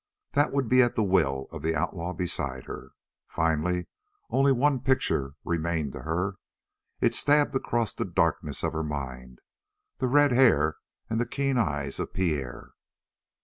That would be at the will of the outlaw beside her. Finally, only one picture remained to her. It stabbed across the darkness of her mind the red hair and the keen eyes of Pierre.